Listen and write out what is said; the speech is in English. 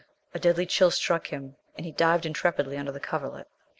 a deadly chill struck him, and he dived intrepidly under the coverlet.